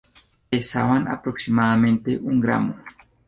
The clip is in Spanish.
Pesaban aproximadamente un gramo.